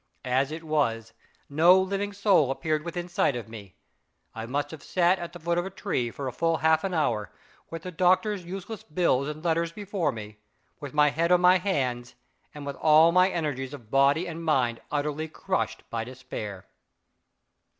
As it was, no living soul appeared within sight of me. I must have sat at the foot of a tree for full half an hour, with the doctor's useless bills and letters before me, with my head in my hands, and with all my energies of body and mind utterly crushed by despair.